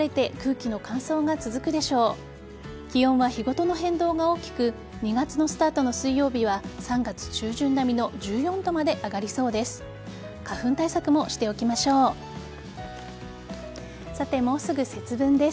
気温は日ごとの変動が大きく２月のスタートの水曜日は３月中旬並みの１４度まで上がりそうです。